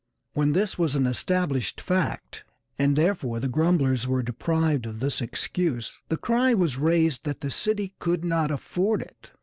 When this was an established fact, and therefore the grumblers were deprived of this excuse, the cry was raised that the city could not afford it.